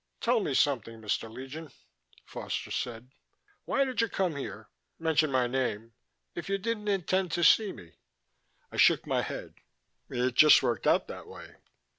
"Tell me something, Mr. Legion," Foster said. "Why did you come here, mention my name if you didn't intend to see me?" I shook my head. "It just worked out that way."